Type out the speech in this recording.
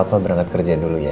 apa berangkat kerja dulu ya